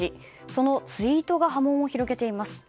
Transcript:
そのツイートが波紋を広げています。